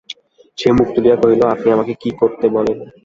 সে মুখ তুলিয়া কহিল, আপনি আমাকে কী করতে বলেন?